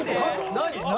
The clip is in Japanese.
何？